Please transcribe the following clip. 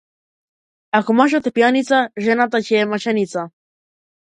Ако мажот е пијаница, жената ќе е маченица.